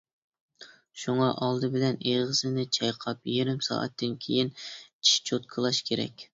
شۇڭا ئالدى بىلەن ئېغىزنى چايقاپ يېرىم سائەتتىن كېيىن چىش چوتكىلاش كېرەك.